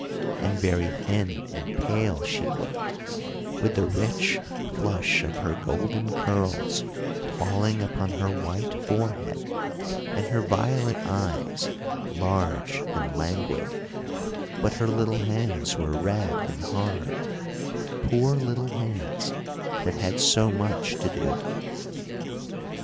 And very thin and pale she looked, with the rich flush of her golden curls falling upon her white forehead, and her violet eyes large and languid; but her little hands were red and hard, poor little hands that had so much to do.